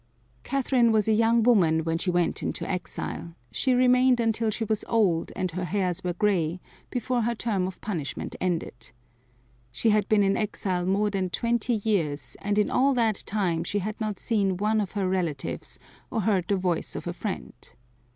Catherine was a young woman when she went into exile; she remained until she was old and her hairs were gray before her term of punishment ended. She had been in exile more than twenty years and in all that time she had not seen one of her relatives or heard the voice of a friend.